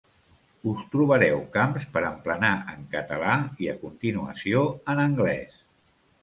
Us trobareu camps per emplenar en català i, a continuació, en anglès.